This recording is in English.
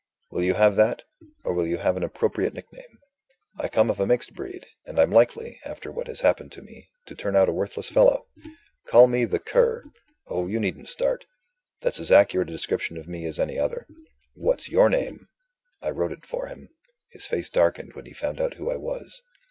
Will you have that? or will you have an appropriate nick name? I come of a mixed breed; and I'm likely, after what has happened to me, to turn out a worthless fellow. Call me The Cur. Oh, you needn't start! that's as accurate a description of me as any other. What's your name?" I wrote it for him. His face darkened when he found out who I was.